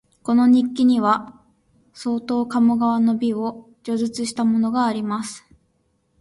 この日記には、相当鴨川の美を叙述したものがあります